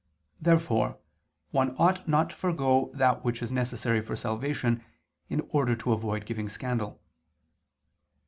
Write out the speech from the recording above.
Therefore one ought not to forego that which is necessary for salvation, in order to avoid giving scandal.